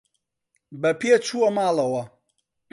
بە پێ چووە ماڵەوە.